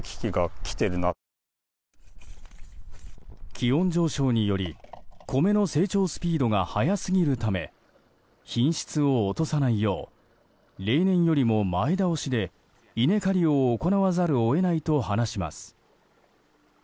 気温上昇により米の成長スピードが早すぎるため品質を落とさないよう例年よりも前倒しで稲刈りを行わざるを得ないと話します。